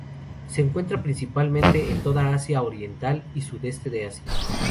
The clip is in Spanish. Se encuentra principalmente en toda Asia Oriental y Sudeste de Asia.